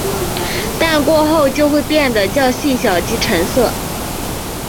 但过后就会变得较细小及沉色。